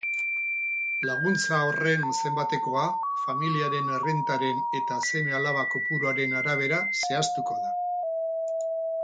Laguntza horren zenbatekoa familiaren errentaren eta seme-alaba kopuruaren arabera zehaztuko da.